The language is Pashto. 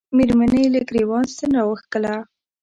مېرمنې یې له ګرېوان ستن را وکښله.